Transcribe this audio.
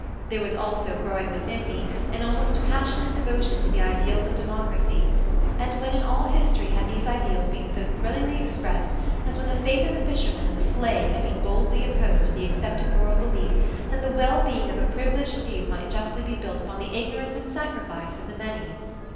There was also growing within me an almost passionate devotion to the ideals of democracy, and when in all history had these ideals been so thrillingly expressed as when the faith of the fisherman and the slave had been boldly opposed to the accepted moral belief that the well being of a privileged few might justly be built upon the ignorance and sacrifice of the many?